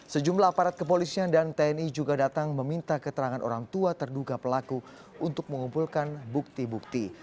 sejumlah aparat kepolisian dan tni juga datang meminta keterangan orang tua terduga pelaku untuk mengumpulkan bukti bukti